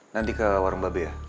nanti ke warung babe ya